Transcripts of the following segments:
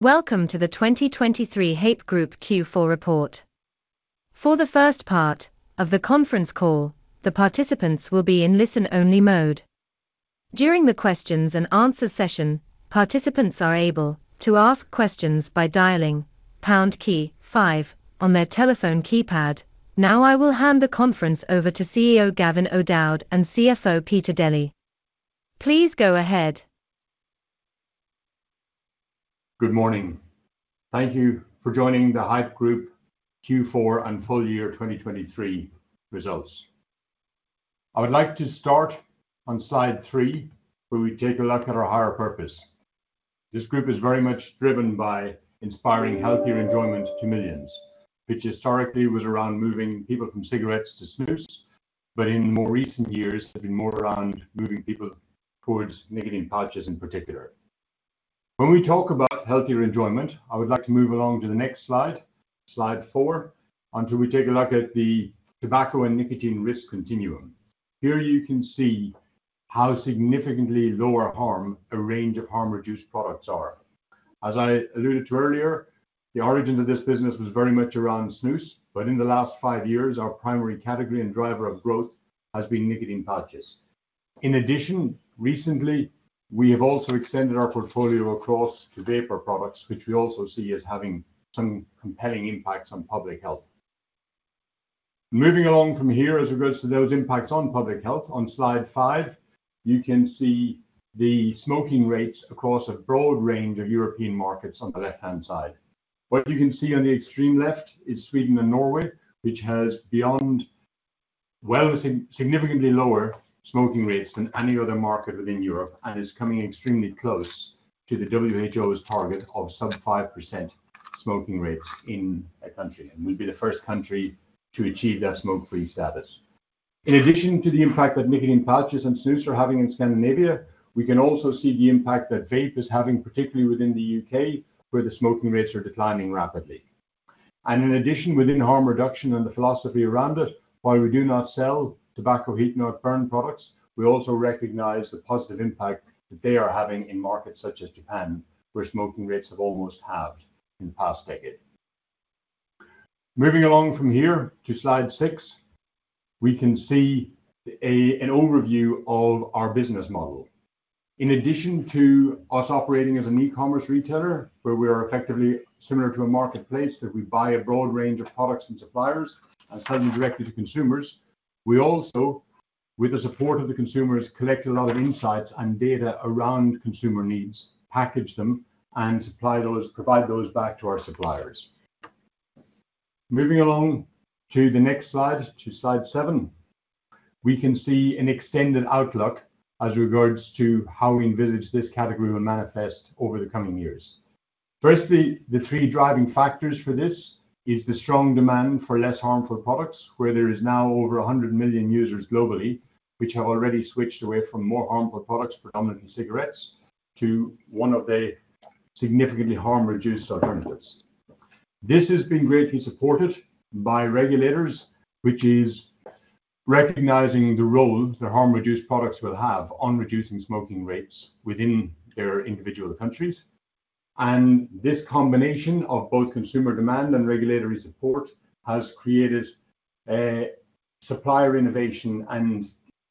Welcome to the 2023 Haypp Group Q4 report. For the first part of the conference call, the participants will be in listen-only mode. During the questions-and-answers session, participants are able to ask questions by dialing pound key 5 on their telephone keypad. Now I will hand the conference over to CEO Gavin O'Dowd and CFO Péter Déri. Please go ahead. Good morning. Thank you for joining the Haypp Group Q4 and full year 2023 results. I would like to start on slide 3, where we take a look at our higher purpose. This group is very much driven by inspiring healthier enjoyment to millions, which historically was around moving people from cigarettes to Snus, but in more recent years has been more around moving people towards nicotine pouches in particular. When we talk about healthier enjoyment, I would like to move along to the next slide, slide 4, until we take a look at the tobacco and nicotine risk continuum. Here you can see how significantly lower harm a range of harm-reduced products are. As I alluded to earlier, the origin of this business was very much around Snus, but in the last five years our primary category and driver of growth has been nicotine pouches. In addition, recently we have also extended our portfolio across to vapor products, which we also see as having some compelling impacts on public health. Moving along from here as regards to those impacts on public health, on slide 5 you can see the smoking rates across a broad range of European markets on the left-hand side. What you can see on the extreme left is Sweden and Norway, which has beyond significantly lower smoking rates than any other market within Europe and is coming extremely close to the WHO's target of sub-5% smoking rates in a country, and will be the first country to achieve that smoke-free status. In addition to the impact that nicotine pouches and snus are having in Scandinavia, we can also see the impact that vape is having, particularly within the U.K., where the smoking rates are declining rapidly. In addition, within harm reduction and the philosophy around it, while we do not sell tobacco, heat-not-burn products, we also recognize the positive impact that they are having in markets such as Japan, where smoking rates have almost halved in the past decade. Moving along from here to slide 6, we can see an overview of our business model. In addition to us operating as an e-commerce retailer, where we are effectively similar to a marketplace that we buy a broad range of products and suppliers and sell them directly to consumers, we also, with the support of the consumers, collect a lot of insights and data around consumer needs, package them, and provide those back to our suppliers. Moving along to the next slide, to slide 7, we can see an extended outlook as regards to how we envisage this category will manifest over the coming years. Firstly, the three driving factors for this are the strong demand for less harmful products, where there are now over 100 million users globally who have already switched away from more harmful products, predominantly cigarettes, to one of the significantly harm-reduced alternatives. This has been greatly supported by regulators, which is recognizing the role that harm-reduced products will have on reducing smoking rates within their individual countries. This combination of both consumer demand and regulatory support has created supplier innovation and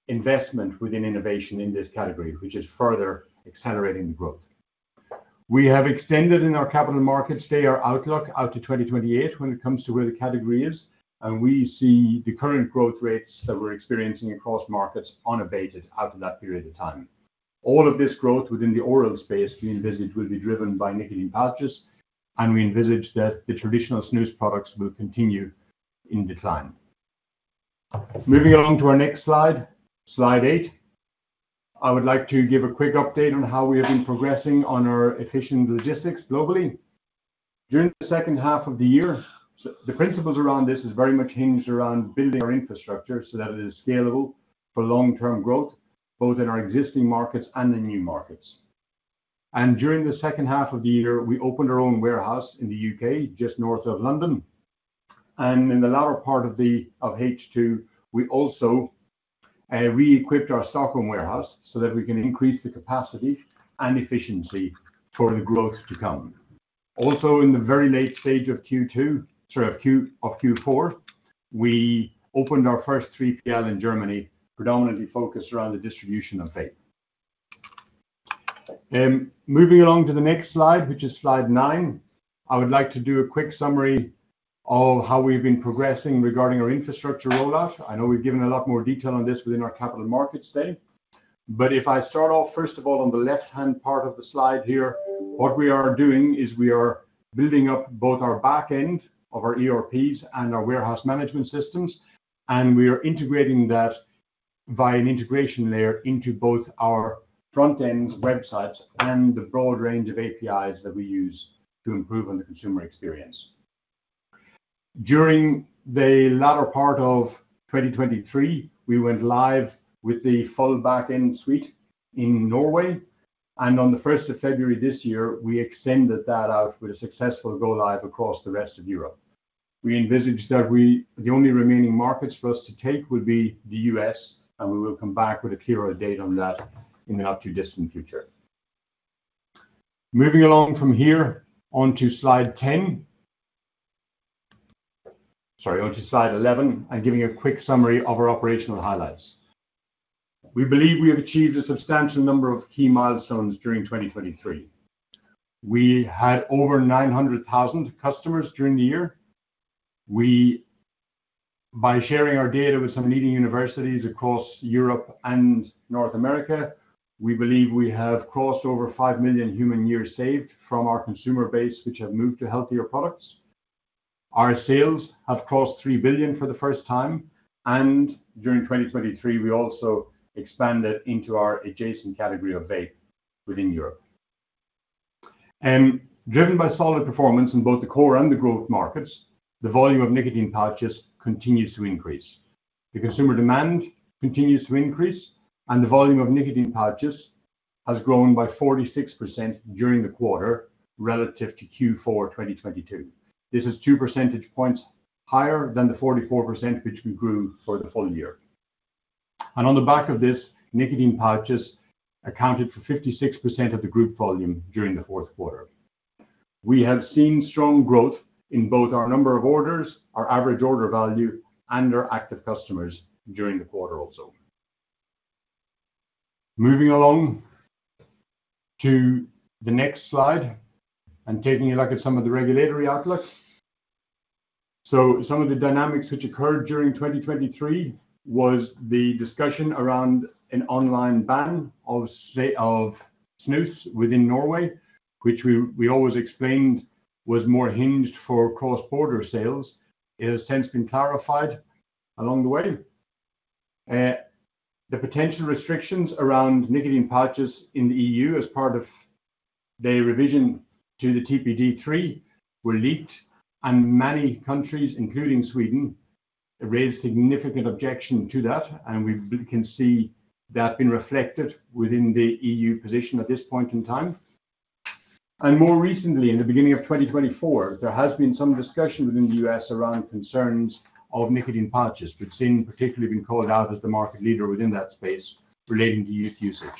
investment within innovation in this category, which is further accelerating the growth. We have extended in our Capital Markets Day today our outlook out to 2028 when it comes to where the category is, and we see the current growth rates that we're experiencing across markets unabated out of that period of time. All of this growth within the oral space we envisage will be driven by nicotine pouches, and we envisage that the traditional snus products will continue in decline. Moving along to our next slide, slide 8, I would like to give a quick update on how we have been progressing on our efficient logistics globally. During the second half of the year, the principles around this are very much hinged around building our infrastructure so that it is scalable for long-term growth, both in our existing markets and the new markets. During the second half of the year we opened our own warehouse in the UK, just north of London, and in the latter part of H2 we also re-equipped our Stockholm warehouse so that we can increase the capacity and efficiency for the growth to come. Also, in the very late stage of Q2, sorry, of Q4, we opened our first 3PL in Germany, predominantly focused around the distribution of vape. Moving along to the next slide, which is slide 9, I would like to do a quick summary of how we've been progressing regarding our infrastructure rollout. I know we've given a lot more detail on this within our Capital Markets Day, but if I start off, first of all, on the left-hand part of the slide here, what we are doing is we are building up both our backend of our ERPs and our warehouse management systems, and we are integrating that via an integration layer into both our frontends, websites, and the broad range of APIs that we use to improve on the consumer experience. During the latter part of 2023 we went live with the full backend suite in Norway, and on the 1st of February this year we extended that out with a successful go-live across the rest of Europe. We envisage that the only remaining markets for us to take will be the U.S., and we will come back with a clearer date on that in the not-too-distant future. Moving along from here onto slide 10, sorry, onto slide 11, I'm giving a quick summary of our operational highlights. We believe we have achieved a substantial number of key milestones during 2023. We had over 900,000 customers during the year. By sharing our data with some leading universities across Europe and North America, we believe we have crossed over 5 million human years saved from our consumer base, which have moved to healthier products. Our sales have crossed 3 billion for the first time, and during 2023 we also expanded into our adjacent category of vape within Europe. Driven by solid performance in both the core and the growth markets, the volume of nicotine pouches continues to increase. The consumer demand continues to increase, and the volume of nicotine pouches has grown by 46% during the quarter relative to Q4 2022. This is 2 percentage points higher than the 44% which we grew for the full year. On the back of this, nicotine pouches accounted for 56% of the group volume during the Q4. We have seen strong growth in both our number of orders, our average order value, and our active customers during the quarter also. Moving along to the next slide and taking a look at some of the regulatory outlook. Some of the dynamics which occurred during 2023 was the discussion around an online ban of snus within Norway, which we always explained was more hinged for cross-border sales. It has since been clarified along the way. The potential restrictions around nicotine pouches in the EU as part of their revision to the TPD3 were leaked, and many countries, including Sweden, raised significant objection to that, and we can see that being reflected within the EU position at this point in time. More recently, in the beginning of 2024, there has been some discussion within the US around concerns of nicotine pouches, which has particularly been called out as the market leader within that space relating to youth usage.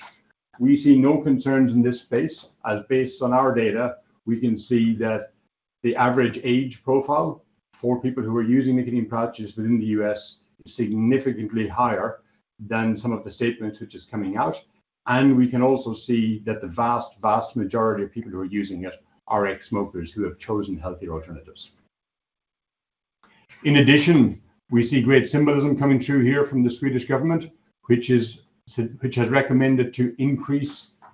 We see no concerns in this space. As based on our data, we can see that the average age profile for people who are using nicotine pouches within the US is significantly higher than some of the statements which are coming out, and we can also see that the vast, vast majority of people who are using it are ex-smokers who have chosen healthier alternatives. In addition, we see great symbolism coming through here from the Swedish government, which has recommended to increase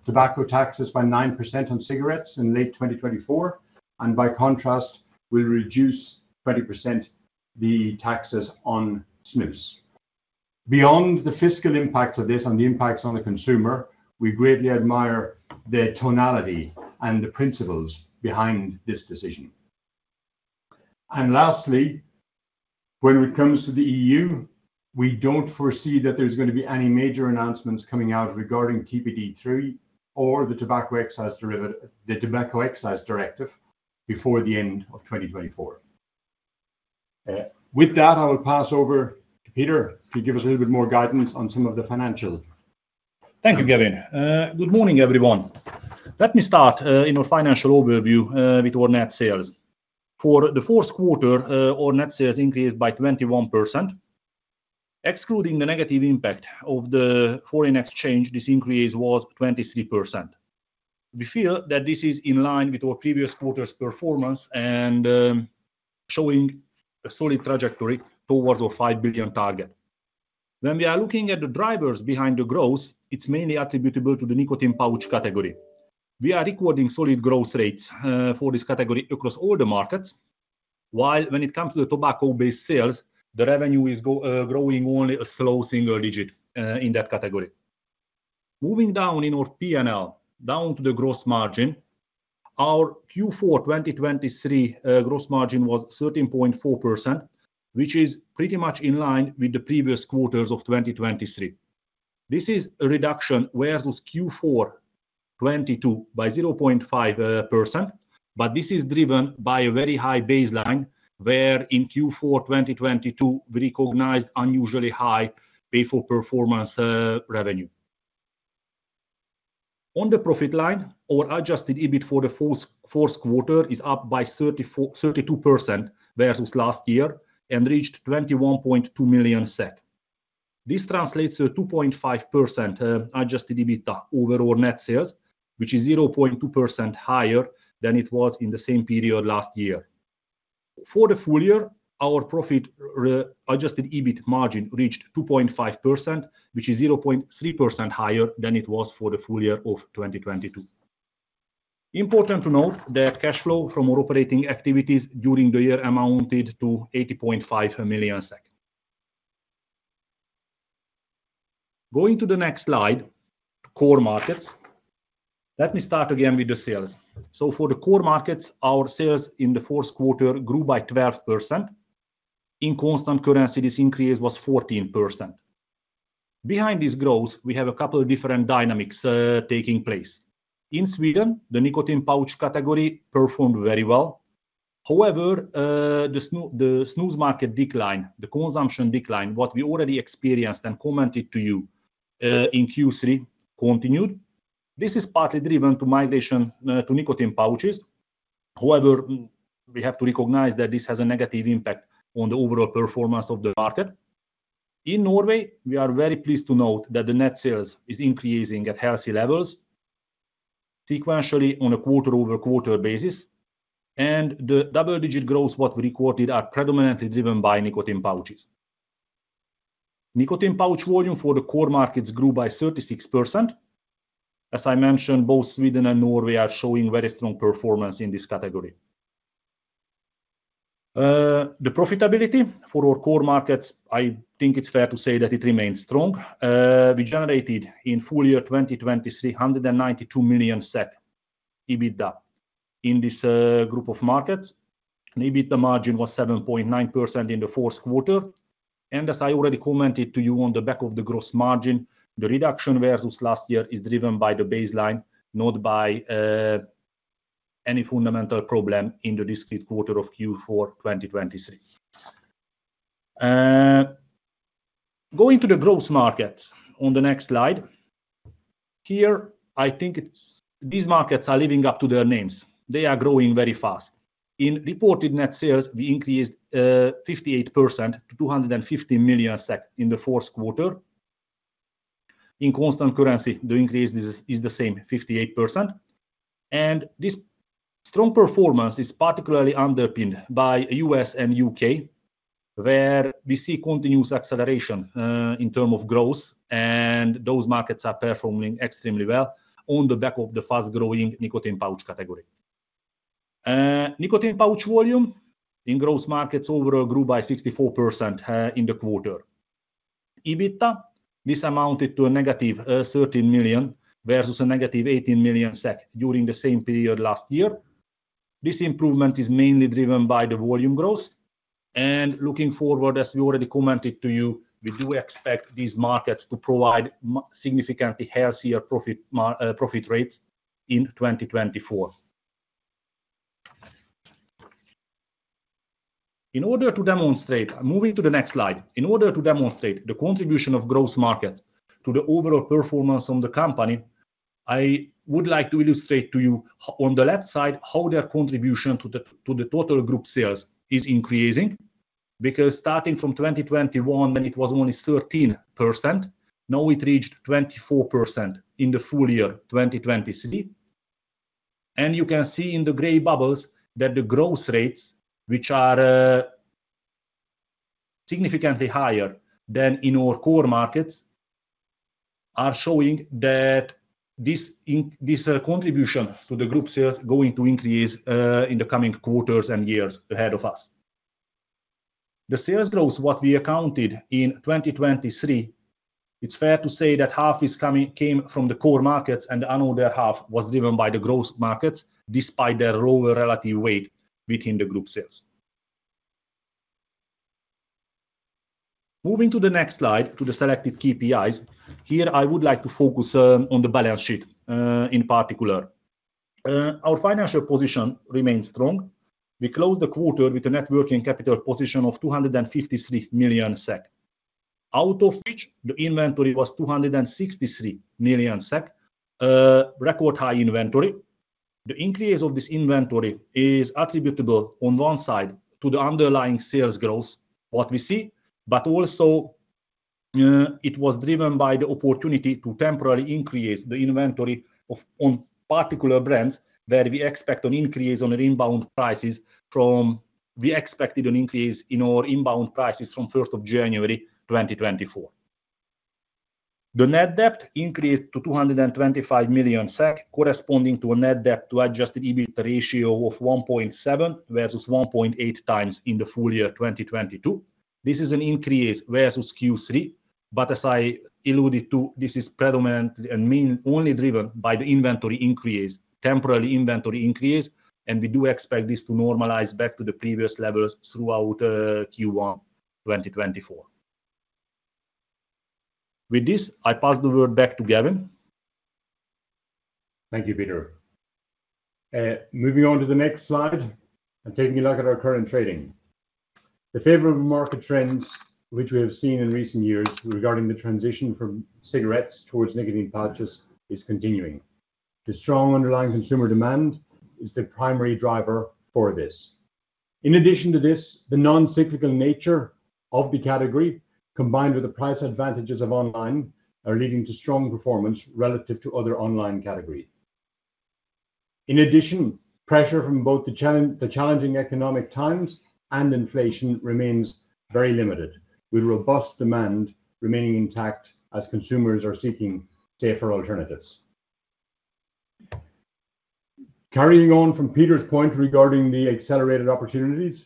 tobacco taxes by 9% on cigarettes in late 2024, and by contrast will reduce 20% the taxes on snus. Beyond the fiscal impacts of this and the impacts on the consumer, we greatly admire the tonality and the principles behind this decision. And lastly, when it comes to the EU, we don't foresee that there are going to be any major announcements coming out regarding TPD3 or the tobacco excise directive before the end of 2024. With that, I will pass over to Peter to give us a little bit more guidance on some of the financials. Thank you, Gavin. Good morning, everyone. Let me start in our financial overview with our net sales. For the Q4, our net sales increased by 21%. Excluding the negative impact of the foreign exchange, this increase was 23%. We feel that this is in line with our previous quarter's performance and showing a solid trajectory towards our 5 billion target. When we are looking at the drivers behind the growth, it's mainly attributable to the nicotine pouch category. We are recording solid growth rates for this category across all the markets, while when it comes to the tobacco-based sales, the revenue is growing only a slow single digit in that category. Moving down in our P&L, down to the gross margin, our Q4 2023 gross margin was 13.4%, which is pretty much in line with the previous quarters of 2023. This is a reduction versus Q4 2022 by 0.5%, but this is driven by a very high baseline where in Q4 2022 we recognized unusually high pay-for-performance revenue. On the profit line, our Adjusted EBIT for the Q4 is up by 32% versus last year and reached 21.2 million. This translates to a 2.5% Adjusted EBITDA over our net sales, which is 0.2% higher than it was in the same period last year. For the full year, our profit Adjusted EBIT margin reached 2.5%, which is 0.3% higher than it was for the full year of 2022. Important to note that cash flow from our operating activities during the year amounted to 80.5 million. Going to the next slide, core markets, let me start again with the sales. So for the core markets, our sales in the Q4 grew by 12%. In constant currency, this increase was 14%. Behind this growth, we have a couple of different dynamics taking place. In Sweden, the nicotine pouch category performed very well. However, the snus market decline, the consumption decline, what we already experienced and commented to you in Q3, continued. This is partly driven by migration to nicotine pouches. However, we have to recognize that this has a negative impact on the overall performance of the market. In Norway, we are very pleased to note that the net sales are increasing at healthy levels sequentially on a quarter-over-quarter basis, and the double-digit growths we recorded are predominantly driven by nicotine pouches. Nicotine pouch volume for the core markets grew by 36%. As I mentioned, both Sweden and Norway are showing very strong performance in this category. The profitability for our core markets, I think it's fair to say that it remains strong. We generated in full year 2023 192 million EBITDA in this group of markets. The EBITDA margin was 7.9% in the Q4. And as I already commented to you on the back of the gross margin, the reduction versus last year is driven by the baseline, not by any fundamental problem in the discrete quarter of Q4 2023. Going to the growth markets on the next slide, here I think these markets are living up to their names. They are growing very fast. In reported net sales, we increased 58% to 215 million in the Q4. In constant currency, the increase is the same, 58%. And this strong performance is particularly underpinned by the U.S. and U.K., where we see continuous acceleration in terms of growth, and those markets are performing extremely well on the back of the fast-growing nicotine pouch category. Nicotine pouch volume in growth markets overall grew by 64% in the quarter. EBITDA this amounted to a negative 13 million versus a negative 18 million SEK during the same period last year. This improvement is mainly driven by the volume growth. Looking forward, as we already commented to you, we do expect these markets to provide significantly healthier profit rates in 2024. In order to demonstrate, moving to the next slide, in order to demonstrate the contribution of growth markets to the overall performance of the company, I would like to illustrate to you on the left side how their contribution to the total group sales is increasing, because starting from 2021, it was only 13%. Now it reached 24% in the full year 2023. You can see in the gray bubbles that the growth rates, which are significantly higher than in our core markets, are showing that this contribution to the group sales is going to increase in the coming quarters and years ahead of us. The sales growth, what we accounted for in 2023, it's fair to say that half came from the core markets, and the other half was driven by the growth markets despite their lower relative weight within the group sales. Moving to the next slide, to the selected KPIs, here I would like to focus on the balance sheet in particular. Our financial position remains strong. We closed the quarter with a net working capital position of 253 million SEK, out of which the inventory was 263 million SEK, record high inventory. The increase of this inventory is attributable on one side to the underlying sales growth, what we see, but also it was driven by the opportunity to temporarily increase the inventory of particular brands where we expect an increase in inbound prices from 1st of January 2024. The net debt increased to 225 million SEK, corresponding to a net debt to adjusted EBITDA ratio of 1.7 versus 1.8 times in the full year 2022. This is an increase versus Q3, but as I alluded to, this is predominantly and mainly only driven by the inventory increase, temporary inventory increase, and we do expect this to normalize back to the previous levels throughout Q1 2024. With this, I pass the word back to Gavin. Thank you, Peter. Moving on to the next slide and taking a look at our current trading. The favorable market trends which we have seen in recent years regarding the transition from cigarettes towards nicotine pouches are continuing. The strong underlying consumer demand is the primary driver for this. In addition to this, the non-cyclical nature of the category, combined with the price advantages of online, are leading to strong performance relative to other online categories. In addition, pressure from both the challenging economic times and inflation remains very limited, with robust demand remaining intact as consumers are seeking safer alternatives. Carrying on from Peter's point regarding the accelerated opportunities,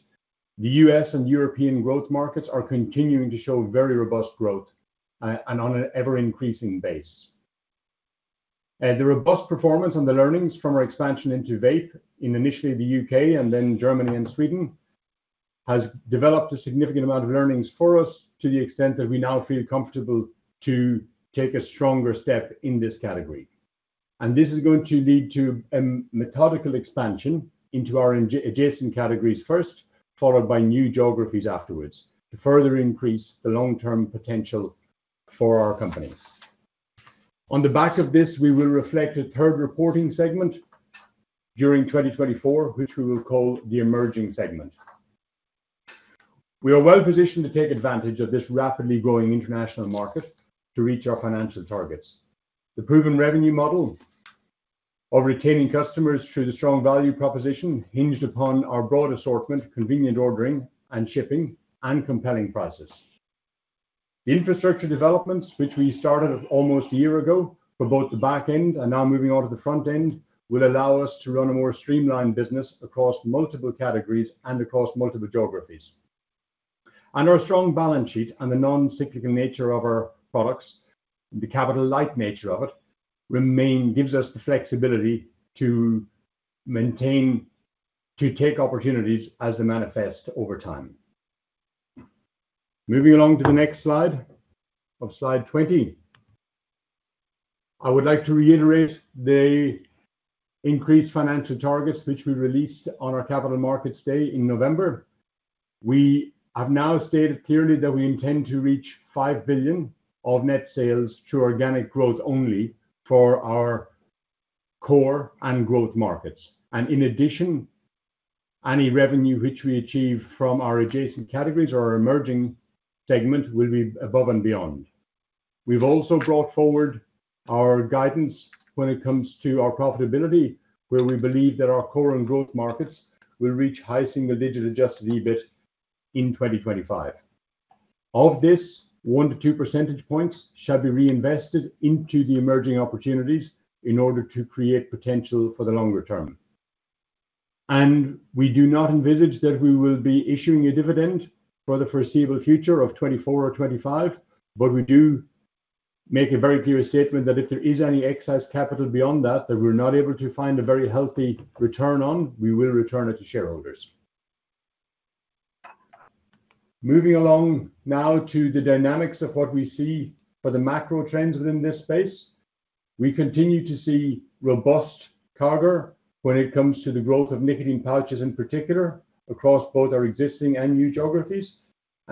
the U.S. and European growth markets are continuing to show very robust growth and on an ever-increasing base. The robust performance and the learnings from our expansion into vape in initially the UK and then Germany and Sweden have developed a significant amount of learnings for us to the extent that we now feel comfortable to take a stronger step in this category. This is going to lead to a methodical expansion into our adjacent categories first, followed by new geographies afterwards to further increase the long-term potential for our company. On the back of this, we will reflect a third reporting segment during 2024, which we will call the emerging segment. We are well positioned to take advantage of this rapidly growing international market to reach our financial targets. The proven revenue model of retaining customers through the strong value proposition hinged upon our broad assortment, convenient ordering and shipping, and compelling prices. The infrastructure developments which we started almost a year ago for both the back end and now moving on to the front end will allow us to run a more streamlined business across multiple categories and across multiple geographies. Our strong balance sheet and the non-cyclical nature of our products, the capital-light nature of it, gives us the flexibility to take opportunities as they manifest over time. Moving along to the next slide of Slide 20, I would like to reiterate the increased financial targets which we released on our Capital Markets Day in November. We have now stated clearly that we intend to reach 5 billion of net sales through organic growth only for our core and growth markets. And in addition, any revenue which we achieve from our adjacent categories or our emerging segment will be above and beyond. We've also brought forward our guidance when it comes to our profitability, where we believe that our core and growth markets will reach high single-digit Adjusted EBIT in 2025. Of this, 1-2 percentage points shall be reinvested into the emerging opportunities in order to create potential for the longer term. And we do not envisage that we will be issuing a dividend for the foreseeable future of 2024 or 2025, but we do make a very clear statement that if there is any excess capital beyond that that we're not able to find a very healthy return on, we will return it to shareholders. Moving along now to the dynamics of what we see for the macro trends within this space, we continue to see robust growth when it comes to the growth of nicotine pouches in particular across both our existing and new geographies.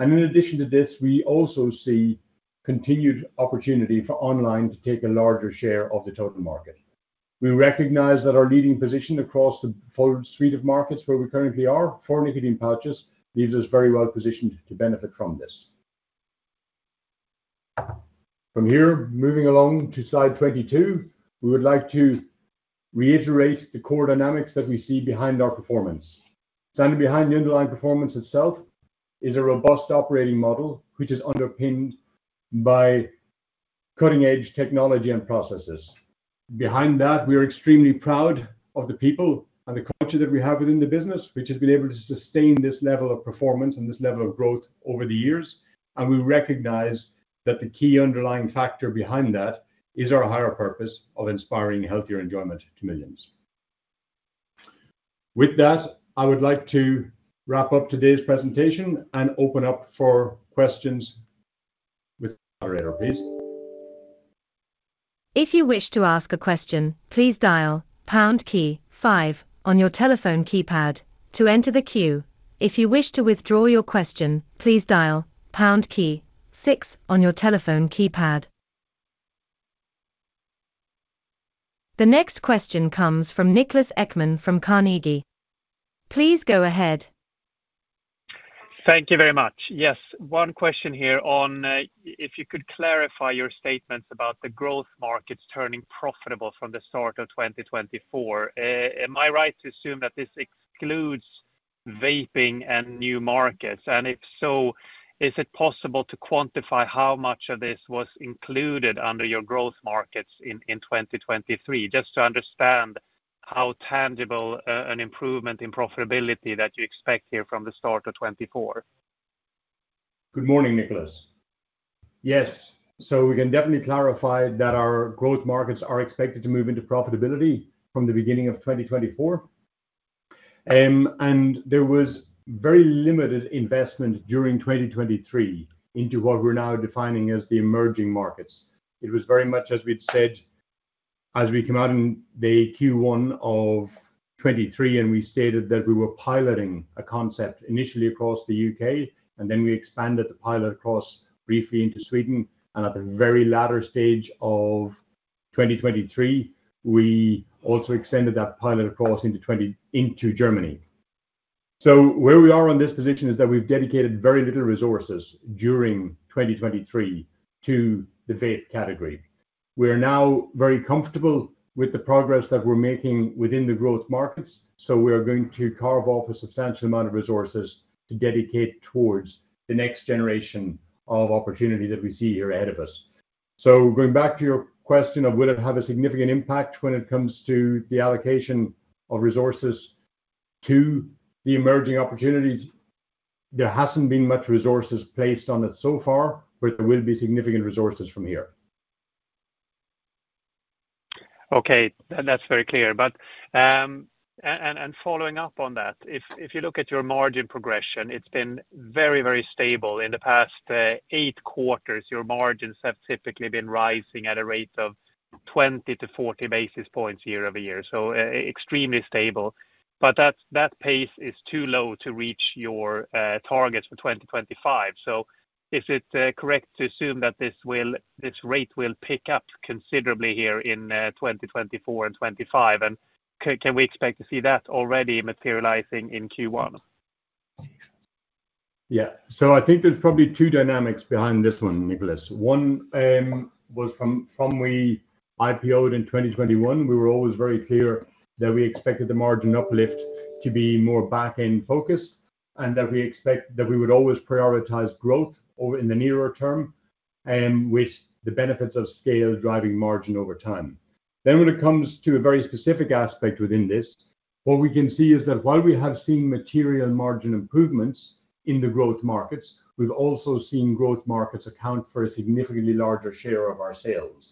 In addition to this, we also see continued opportunity for online to take a larger share of the total market. We recognize that our leading position across the full suite of markets where we currently are for nicotine pouches leaves us very well positioned to benefit from this. From here, moving along to slide 22, we would like to reiterate the core dynamics that we see behind our performance. Standing behind the underlying performance itself is a robust operating model which is underpinned by cutting-edge technology and processes. Behind that, we are extremely proud of the people and the culture that we have within the business which has been able to sustain this level of performance and this level of growth over the years. We recognize that the key underlying factor behind that is our higher purpose of inspiring healthier enjoyment to millions. With that, I would like to wrap up today's presentation and open up for questions with the operator, please. If you wish to ask a question, please dial pound key five on your telephone keypad to enter the queue. If you wish to withdraw your question, please dial pound key six on your telephone keypad. The next question comes from Niklas Ekman from Carnegie. Please go ahead. Thank you very much. Yes, one question here on if you could clarify your statements about the growth markets turning profitable from the start of 2024. Am I right to assume that this excludes vaping and new markets? And if so, is it possible to quantify how much of this was included under your growth markets in 2023, just to understand how tangible an improvement in profitability that you expect here from the start of 2024? Good morning, Niklas. Yes, so we can definitely clarify that our growth markets are expected to move into profitability from the beginning of 2024. There was very limited investment during 2023 into what we're now defining as the emerging markets. It was very much, as we'd said, as we came out in day Q1 of 2023, and we stated that we were piloting a concept initially across the UK, and then we expanded the pilot across briefly into Sweden. At the very latter stage of 2023, we also extended that pilot across into Germany. Where we are on this position is that we've dedicated very little resources during 2023 to the vape category. We are now very comfortable with the progress that we're making within the growth markets, so we are going to carve off a substantial amount of resources to dedicate towards the next generation of opportunity that we see here ahead of us. So going back to your question of will it have a significant impact when it comes to the allocation of resources to the emerging opportunities, there hasn't been much resources placed on it so far, but there will be significant resources from here. Okay, that's very clear. Following up on that, if you look at your margin progression, it's been very, very stable. In the past eight quarters, your margins have typically been rising at a rate of 20-40 basis points year-over-year, so extremely stable. But that pace is too low to reach your targets for 2025. So is it correct to assume that this rate will pick up considerably here in 2024 and 2025? Can we expect to see that already materializing in Q1? Yeah, so I think there's probably two dynamics behind this one, Niklas. One was from we IPO'd in 2021, we were always very clear that we expected the margin uplift to be more back-end focused and that we expect that we would always prioritize growth in the nearer term with the benefits of scale driving margin over time. Then when it comes to a very specific aspect within this, what we can see is that while we have seen material margin improvements in the growth markets, we've also seen growth markets account for a significantly larger share of our sales.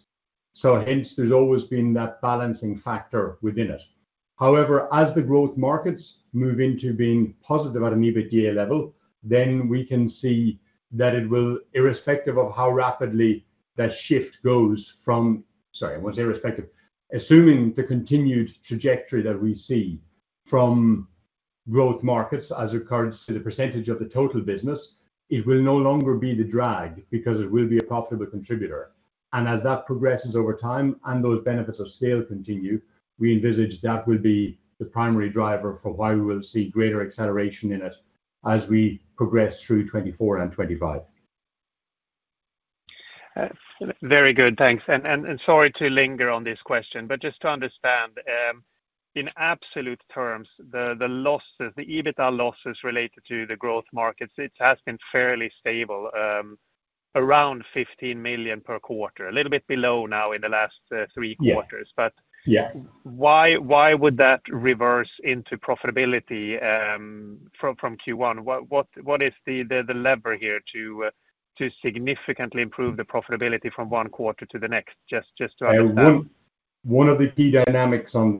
So hence, there's always been that balancing factor within it. However, as the growth markets move into being positive at an EBITDA level, then we can see that it will, irrespective of how rapidly that shift goes, assuming the continued trajectory that we see from growth markets as occurs. The percentage of the total business, it will no longer be the drag because it will be a profitable contributor. And as that progresses over time and those benefits of scale continue, we envisage that will be the primary driver for why we will see greater acceleration in it as we progress through 2024 and 2025. Very good, thanks. Sorry to linger on this question, but just to understand, in absolute terms, the losses, the EBITDA losses related to the growth markets, it has been fairly stable around 15 million per quarter, a little bit below now in the last three quarters. But why would that reverse into profitability from Q1? What is the lever here to significantly improve the profitability from one quarter to the next, just to understand? One of the key dynamics on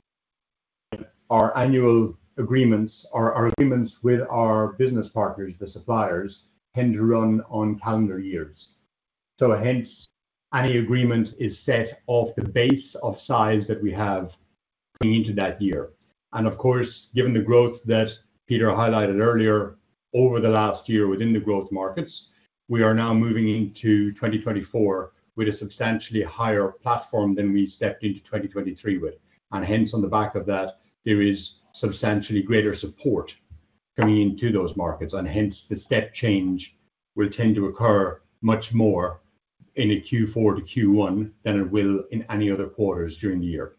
our annual agreements, our agreements with our business partners, the suppliers, tend to run on calendar years. So hence, any agreement is set off the base of size that we have into that year. And of course, given the growth that Peter highlighted earlier over the last year within the growth markets, we are now moving into 2024 with a substantially higher platform than we stepped into 2023 with. And hence, on the back of that, there is substantially greater support coming into those markets. And hence, the step change will tend to occur much more in a Q4 to Q1 than it will in any other quarters during the year.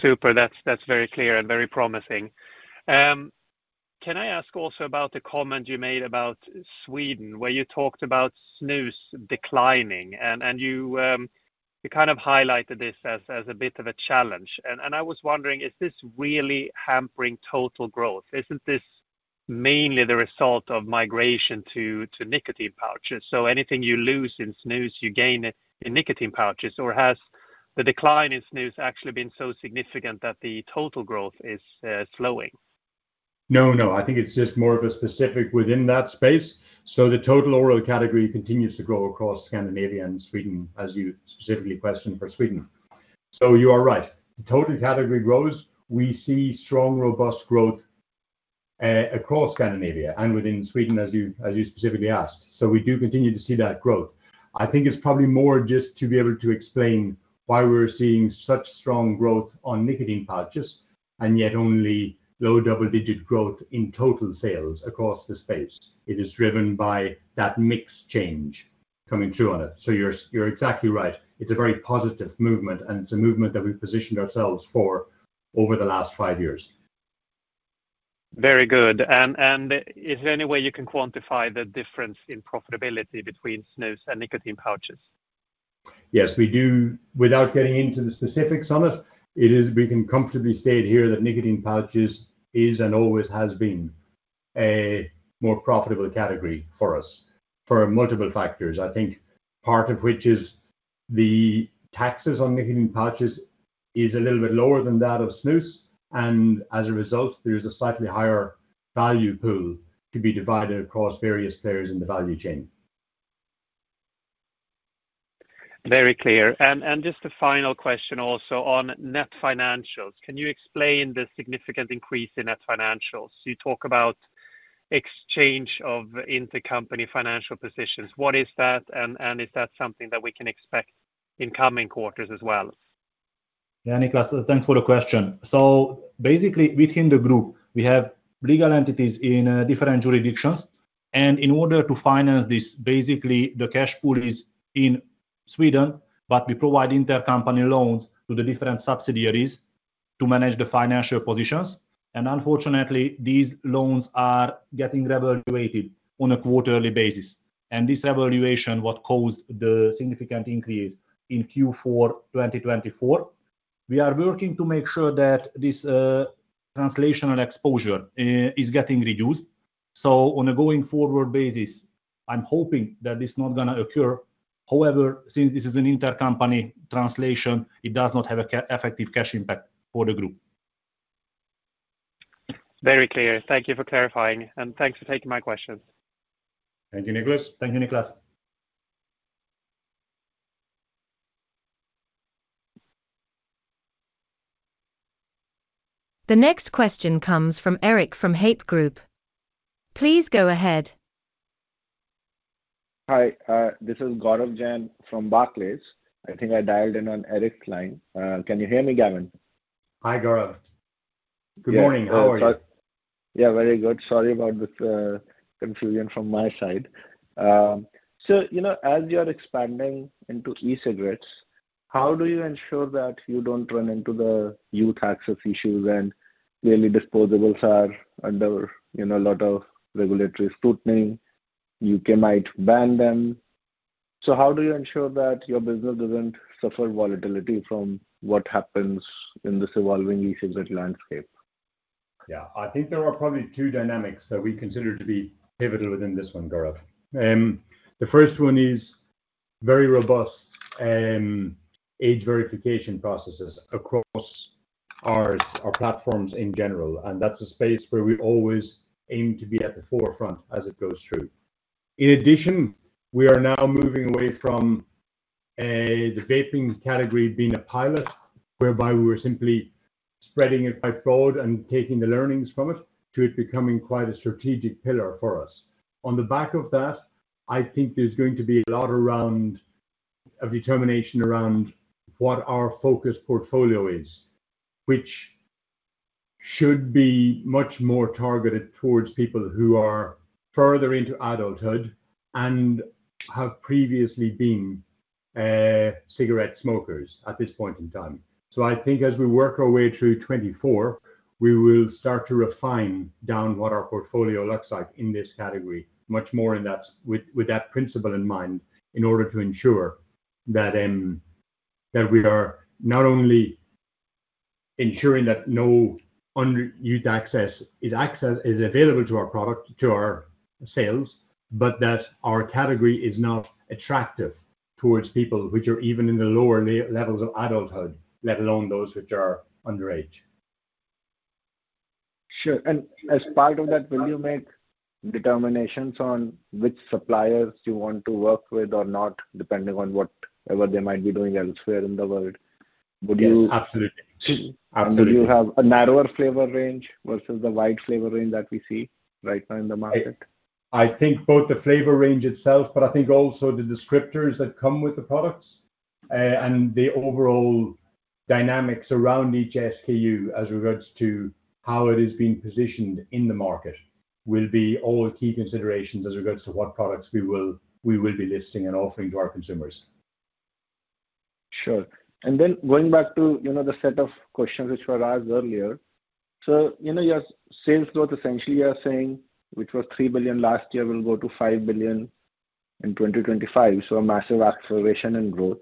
Super. That's very clear and very promising. Can I ask also about the comment you made about Sweden where you talked about snus declining, and you kind of highlighted this as a bit of a challenge? And I was wondering, is this really hampering total growth? Isn't this mainly the result of migration to nicotine pouches? So anything you lose in snus, you gain in nicotine pouches, or has the decline in snus actually been so significant that the total growth is slowing? No, no. I think it's just more of a specific within that space. So the total oral category continues to grow across Scandinavia and Sweden, as you specifically questioned for Sweden. So you are right. The total category grows. We see strong, robust growth across Scandinavia and within Sweden, as you specifically asked. So we do continue to see that growth. I think it's probably more just to be able to explain why we're seeing such strong growth on nicotine pouches and yet only low double-digit growth in total sales across the space. It is driven by that mix change coming through on it. So you're exactly right. It's a very positive movement, and it's a movement that we've positioned ourselves for over the last five years. Very good. Is there any way you can quantify the difference in profitability between snus and nicotine pouches? Yes, we do. Without getting into the specifics on it, we can comfortably state here that nicotine pouches is and always has been a more profitable category for us for multiple factors, I think, part of which is the taxes on nicotine pouches is a little bit lower than that of snus. And as a result, there's a slightly higher value pool to be divided across various players in the value chain. Very clear. And just a final question also on net financials. Can you explain the significant increase in net financials? You talk about exchange of intercompany financial positions. What is that, and is that something that we can expect in coming quarters as well? Yeah, Niklas, thanks for the question. So basically, within the group, we have legal entities in different jurisdictions. And in order to finance this, basically, the cash pool is in Sweden, but we provide intercompany loans to the different subsidiaries to manage the financial positions. And unfortunately, these loans are getting revaluated on a quarterly basis. And this revaluation, what caused the significant increase in Q4 2024, we are working to make sure that this translational exposure is getting reduced. So on a going forward basis, I'm hoping that this is not going to occur. However, since this is an intercompany translation, it does not have an effective cash impact for the group. Very clear. Thank you for clarifying, and thanks for taking my questions. Thank you, Niklas. Thank you, Niklas. The next question comes from Eric from Haypp Group. Please go ahead. Hi, this is Gaurav Jain from Barclays. I think I dialed in on Eric's line. Can you hear me, Gavin? Hi, Gaurav. Good morning. How are you? Yeah, very good. Sorry about the confusion from my side. So as you're expanding into e-cigarettes, how do you ensure that you don't run into the new tax issues and clearly disposables are under a lot of regulatory scrutiny? You might ban them. So how do you ensure that your business doesn't suffer volatility from what happens in this evolving e-cigarette landscape? Yeah, I think there are probably two dynamics that we consider to be pivotal within this one, Gaurav. The first one is very robust age verification processes across our platforms in general. That's a space where we always aim to be at the forefront as it goes through. In addition, we are now moving away from the vaping category being a pilot whereby we were simply spreading it by fraud and taking the learnings from it to it becoming quite a strategic pillar for us. On the back of that, I think there's going to be a lot of determination around what our focus portfolio is, which should be much more targeted towards people who are further into adulthood and have previously been cigarette smokers at this point in time. So I think as we work our way through 2024, we will start to refine down what our portfolio looks like in this category much more with that principle in mind in order to ensure that we are not only ensuring that no youth access is available to our product, to our sales, but that our category is not attractive towards people which are even in the lower levels of adulthood, let alone those which are underage. Sure. And as part of that, will you make determinations on which suppliers you want to work with or not, depending on whatever they might be doing elsewhere in the world? Would you? Yes, absolutely. Absolutely. Would you have a narrower flavor range versus the wide flavor range that we see right now in the market? I think both the flavor range itself, but I think also the descriptors that come with the products and the overall dynamics around each SKU as regards to how it has been positioned in the market will be all key considerations as regards to what products we will be listing and offering to our consumers. Sure. And then going back to the set of questions which were asked earlier, so your sales growth, essentially, you are saying which was 3 billion last year will go to 5 billion in 2025, so a massive acceleration in growth.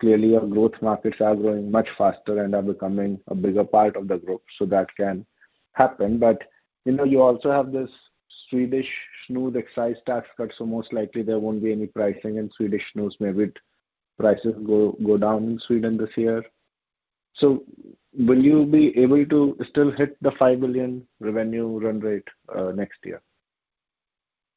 Clearly, your growth markets are growing much faster and are becoming a bigger part of the group, so that can happen. But you also have this Swedish snus excise tax cut, so most likely there won't be any pricing in Swedish snus. Maybe prices go down in Sweden this year. So will you be able to still hit the 5 billion revenue run rate next year?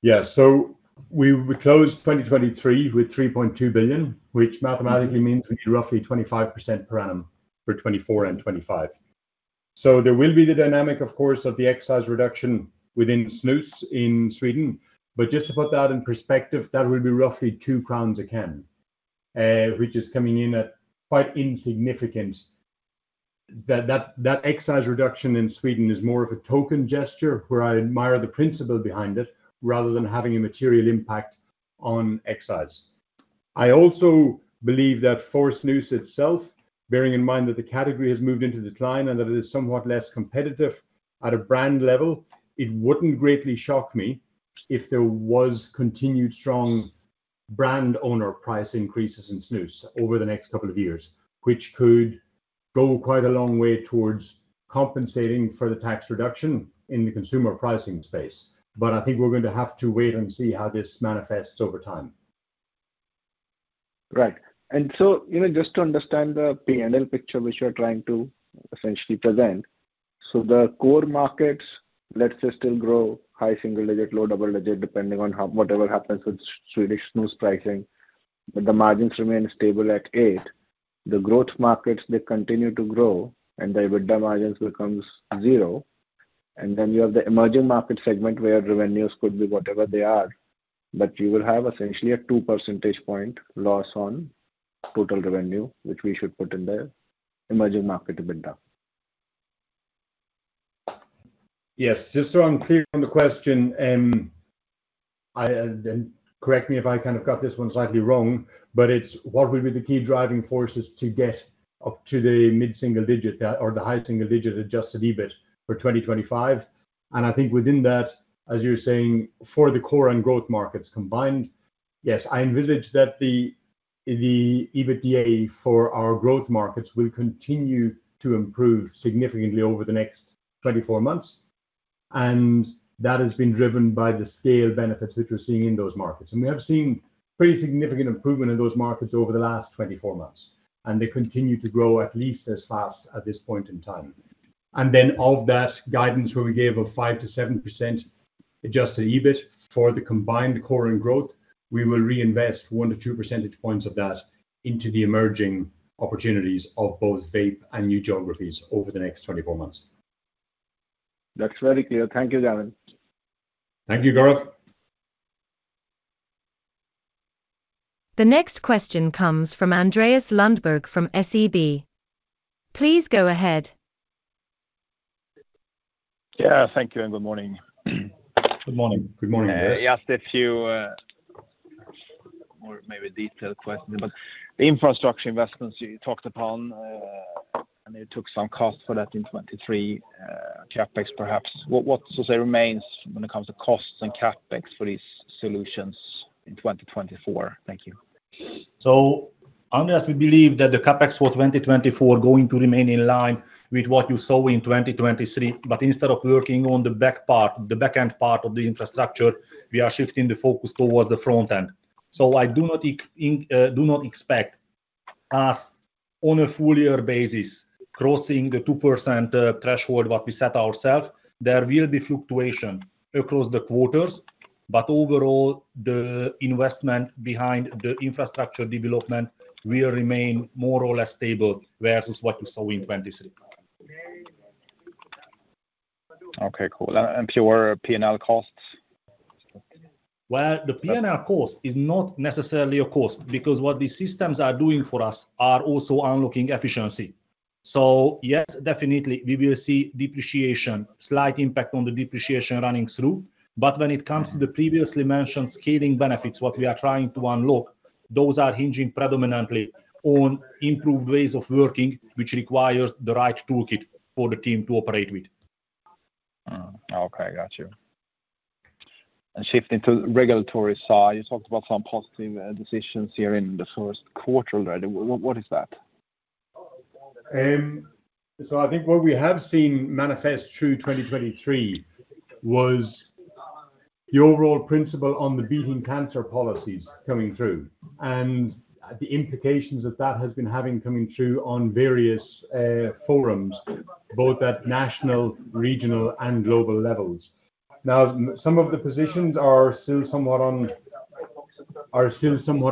Yeah. So we would close 2023 with 3.2 billion, which mathematically means we need roughly 25% per annum for 2024 and 2025. So there will be the dynamic, of course, of the excise reduction within snus in Sweden. But just to put that in perspective, that will be roughly 2 crowns a can, which is coming in at quite insignificant. That excise reduction in Sweden is more of a token gesture where I admire the principle behind it rather than having a material impact on excise. I also believe that for Snus itself, bearing in mind that the category has moved into decline and that it is somewhat less competitive at a brand level, it wouldn't greatly shock me if there was continued strong brand owner price increases in Snus over the next couple of years, which could go quite a long way towards compensating for the tax reduction in the consumer pricing space. But I think we're going to have to wait and see how this manifests over time. Right. And so just to understand the P&L picture which you're trying to essentially present, so the core markets, let's say, still grow high single-digit, low double-digit, depending on whatever happens with Swedish snus pricing, but the margins remain stable at 8%. The growth markets, they continue to grow, and the EBITDA margins become 0%. And then you have the emerging market segment where revenues could be whatever they are, but you will have essentially a 2 percentage point loss on total revenue, which we should put in the emerging market EBITDA. Yes. Just so I'm clear on the question, and correct me if I kind of got this one slightly wrong, but it's what will be the key driving forces to get up to the mid-single-digit or the high single-digit Adjusted EBIT for 2025. I think within that, as you're saying, for the core and growth markets combined, yes, I envisage that the EBITDA for our growth markets will continue to improve significantly over the next 24 months. That has been driven by the scale benefits which we're seeing in those markets. We have seen pretty significant improvement in those markets over the last 24 months, and they continue to grow at least as fast at this point in time. Then of that guidance where we gave of 5%-7% Adjusted EBIT for the combined core and growth, we will reinvest 1-2 percentage points of that into the emerging opportunities of both vape and new geographies over the next 24 months. That's very clear. Thank you, Gavin. Thank you, Gaurav. The next question comes from Andreas Lundberg from SEB. Please go ahead. Yeah, thank you and Good morning. Good morning. Good morning, Andreas. I asked a few maybe detailed questions, but the infrastructure investments you talked upon, and it took some cost for that in 2023, CapEx perhaps. What, so to say, remains when it comes to costs and CapEx for these solutions in 2024? Thank you. Andreas, we believe that the CapEx for 2024 is going to remain in line with what you saw in 2023. But instead of working on the back part, the backend part of the infrastructure, we are shifting the focus towards the front end. I do not expect us on a full-year basis crossing the 2% threshold what we set ourselves. There will be fluctuation across the quarters, but overall, the investment behind the infrastructure development will remain more or less stable versus what you saw in 2023. Okay, cool. And pure P&L costs? Well, the P&L cost is not necessarily a cost because what these systems are doing for us are also unlocking efficiency. So yes, definitely, we will see depreciation, slight impact on the depreciation running through. But when it comes to the previously mentioned scaling benefits, what we are trying to unlock, those are hinging predominantly on improved ways of working, which requires the right toolkit for the team to operate with. Okay, got you. And shifting to regulatory side, you talked about some positive decisions here in the Q1 already. What is that? I think what we have seen manifest through 2023 was the overall principle on the beating cancer policies coming through and the implications that that has been having coming through on various forums, both at national, regional, and global levels. Now, some of the positions are still somewhat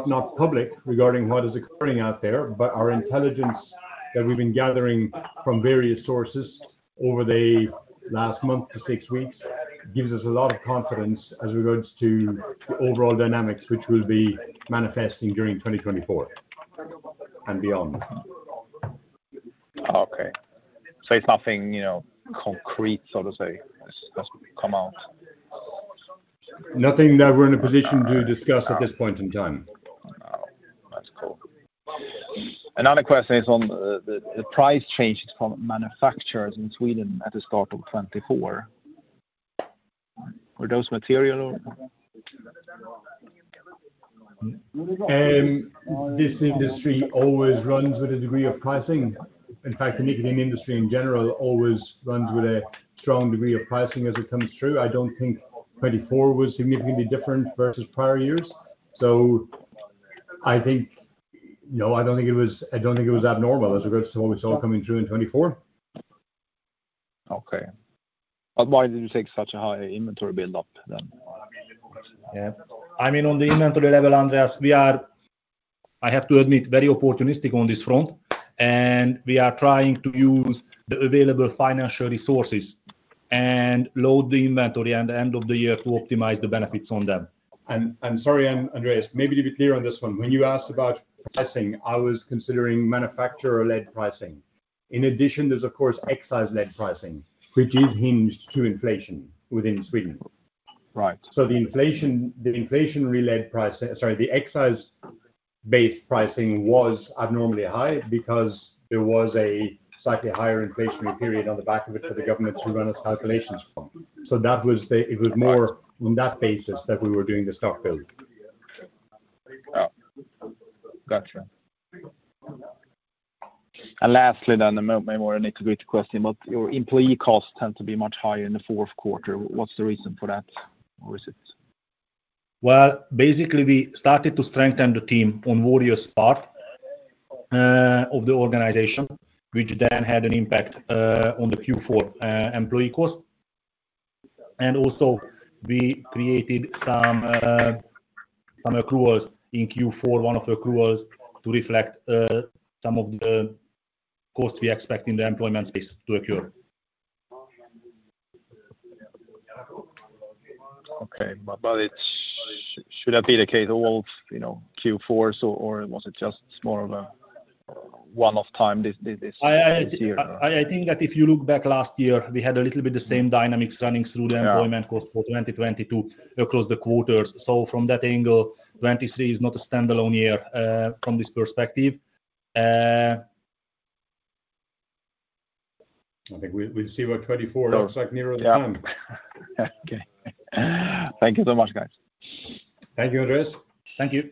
not public regarding what is occurring out there, but our intelligence that we've been gathering from various sources over the last month to six weeks gives us a lot of confidence as regards to the overall dynamics which will be manifesting during 2024 and beyond. Okay. So it's nothing concrete, so to say, that's come out? Nothing that we're in a position to discuss at this point in time. Oh, that's cool. Another question is on the price changes from manufacturers in Sweden at the start of 2024. Were those material or? This industry always runs with a degree of pricing. In fact, the nicotine industry in general always runs with a strong degree of pricing as it comes through. I don't think 2024 was significantly different versus prior years. So I think no, I don't think it was abnormal as regards to what we saw coming through in 2024. Okay. But why did you take such a high inventory buildup then? Yeah. I mean, on the inventory level, Andreas, we are, I have to admit, very opportunistic on this front. And we are trying to use the available financial resources and load the inventory at the end of the year to optimize the benefits on them. Sorry, Andreas, maybe to be clear on this one, when you asked about pricing, I was considering manufacturer-led pricing. In addition, there's, of course, excise-led pricing, which is hinged to inflation within Sweden. So the inflation-related pricing sorry, the excise-based pricing was abnormally high because there was a slightly higher inflationary period on the back of it for the governments who run its calculations from. So it was more on that basis that we were doing the stock build. Gotcha. And lastly, then maybe more integrated question, but your employee costs tend to be much higher in the Q4. What's the reason for that, or is it? Well, basically, we started to strengthen the team on various parts of the organization, which then had an impact on the Q4 employee cost. And also, we created some accruals in Q4, one of the accruals, to reflect some of the costs we expect in the employment space to occur. Okay. But should that be the case all Q4s, or was it just more of a one-off time, this year? I think that if you look back last year, we had a little bit the same dynamics running through the employment cost for 2022 across the quarters. So from that angle, 2023 is not a standalone year from this perspective. I think we'll see where 2024 looks like nearer the time. Yeah. Okay. Thank you so much, guys. Thank you, Andreas. Thank you.